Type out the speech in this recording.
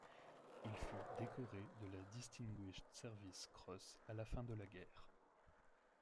Il fut décoré de la Distinguished Service Cross à la fin de la guerre.